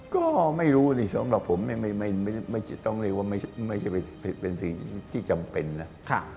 ก็ไม่รู้สำหรับผมไม่ใช่เป็นสิ่งที่จำเป็นนะ